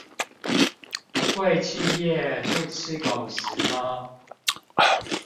貴企業不吃狗食嗎？